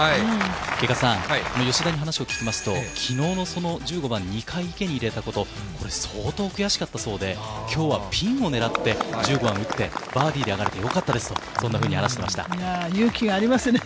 外賀さん、吉田に話を聞きますと、きのうのその１５番、２回池に入れたこと、これ、相当悔しかったそうで、きょうはピンを狙って、１５番打って、バーディーで上がれてよかったですと、そん勇気ありますね。